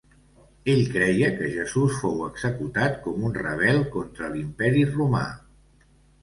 Ell creia que Jesús fou executat com un rebel contra l'Imperi Romà.